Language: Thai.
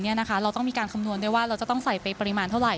เราต้องมีการคำนวณด้วยว่าเราจะต้องใส่ไปปริมาณเท่าไห